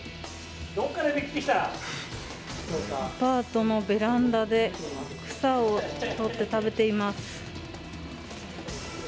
アパートのベランダで草をとって食べています。